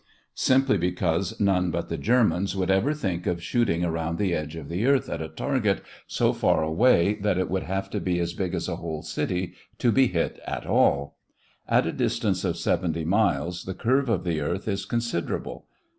Simply because none but the Germans would ever think of shooting around the edge of the earth at a target so far away that it would have to be as big as a whole city to be hit at all. In a distance of seventy miles, the curve of the earth is considerable.